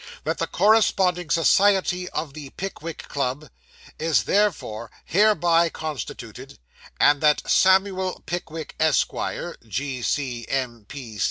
'That the Corresponding Society of the Pickwick Club is therefore hereby constituted; and that Samuel Pickwick, Esq., G.C.M.